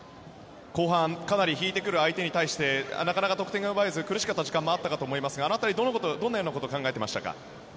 後半、かなり引いてくる相手に対してなかなか得点が奪えず苦しかった時間帯もあったかと思いますがあの辺りどのようなことを考えていましたか？